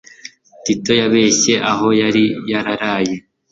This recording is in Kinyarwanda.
Tito yabeshye aho yari yaraye